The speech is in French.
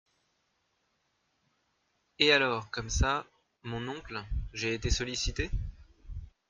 Et alors, comme ça, mon oncle, j’ai été sollicitée ?